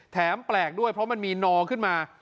แปลกด้วยเพราะมันมีนอขึ้นมา